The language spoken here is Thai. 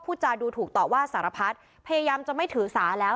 จาดูถูกต่อว่าสารพัดพยายามจะไม่ถือสาแล้ว